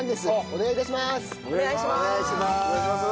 お願いします。